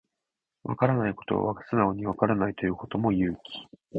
わからないことを素直にわからないと言うことも勇気